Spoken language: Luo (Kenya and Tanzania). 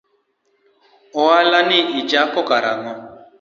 Oala ni nichako kar ang'o?